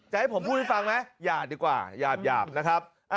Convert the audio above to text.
ให้ผมพูดให้ฟังไหมอย่าดีกว่าอย่าหยาบนะครับ